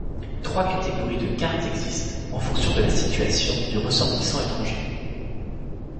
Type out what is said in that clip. Trois catégories de cartes existent, en fonction de la situation du ressortissant étranger.